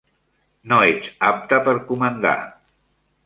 No ets apte per comandar.